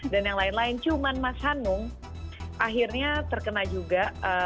dan yang lain lain cuman mas hanung akhirnya terkena juga